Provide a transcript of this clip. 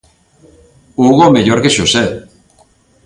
Hugo mellor que Xosé.